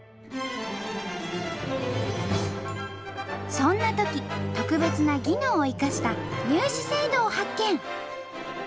そんなとき特別な技能を生かした入試制度を発見！